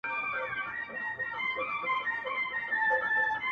زیاتره اشعار د ده د محصلتوب او جلا وطنۍ